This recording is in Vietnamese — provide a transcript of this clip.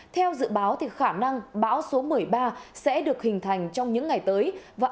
theo dự báo khả năng bão số một mươi ba sẽ được hình thành trong những ngày tới